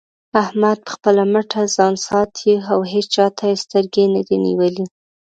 احمد په خپله مټه ځان ساتي او هيچا ته يې سترګې نه دې نيولې.